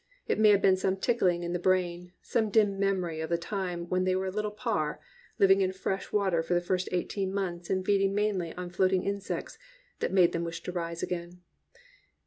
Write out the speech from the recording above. It may have been some tickling in the brain, some dim memory of the time when they were little parr, living in fresh water for their first eighteen months and feeding mainly on floating insects, that made them wish to rise again.)